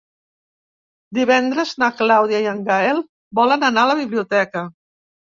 Divendres na Clàudia i en Gaël volen anar a la biblioteca.